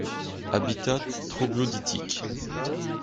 Habitat troglodytique.